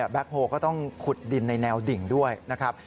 โฮก็ต้องขุดดินในแนวดิ่งด้วยนะครับ